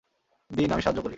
দিন, আমি সাহায্য করি।